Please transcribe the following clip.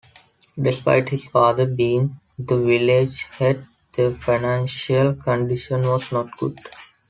Despite his father being the village head, their financial condition was not good.